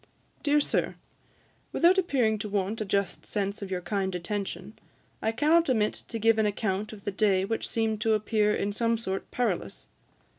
DEAR SIR, Without appearing to want a just sense of your kind attention, I cannot omit to give an account of the day which seemed to appear in some sort perilous.